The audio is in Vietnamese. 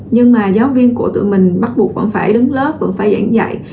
nhưng mà giáo viên của tụi mình bắt buộc vẫn phải đứng lớp vẫn phải giảng dạy